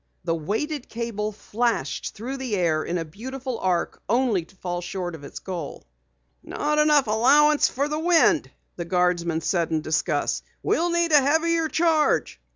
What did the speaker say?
The weighted cable flashed through the air in a beautiful arch only to fall short of its goal. "Not enough allowance for the wind," the guardsman said in disgust. "We'll need a heavier charge."